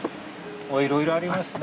いろいろありますね。